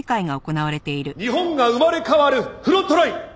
日本が生まれ変わるフロントライン